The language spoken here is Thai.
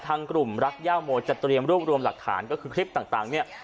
ทางกลุ่มรักย่าโมจะเตรียมรวบรวมหลักฐานก็คือคลิปต่างเนี่ย